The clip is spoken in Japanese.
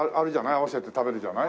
合わせて食べるじゃない？